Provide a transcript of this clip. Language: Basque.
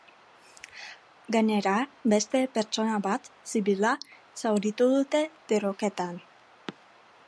Gainera, beste pertsona bat, zibila, zauritu dute tiroketan.